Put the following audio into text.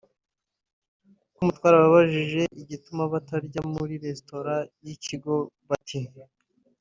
com twababajije igituma batarya muri Restaurant y’ikigo bati